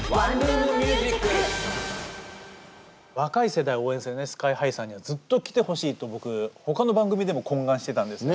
若い世代を応援するＳＫＹ−ＨＩさんにはずっと来てほしいと僕ほかの番組でも懇願してたんですよ。